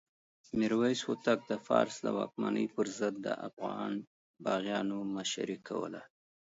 میرویس هوتک د فارس د واکمنۍ پر ضد د افغان یاغیانو مشري کوله.